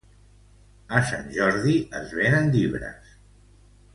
A Sant Jordi es venen llibres